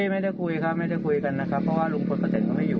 ไม่ได้คุยครับไม่ได้คุยกันนะครับเพราะว่าลุงพลป้าเซ็นก็ไม่อยู่